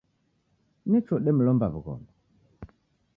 Nechi odemlomba w'ughoma.